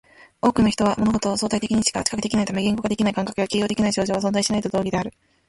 多くの人は物事を相対的にしか知覚できないため、言語化できない感覚や形容できない症状は存在しないと同義である